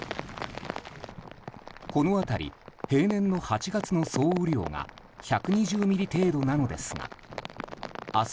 この辺り平年の８月の総雨量が１２０ミリ程度なのですが明日